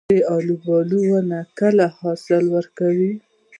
د الوبالو ونې کله حاصل ورکوي؟